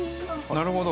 なるほど。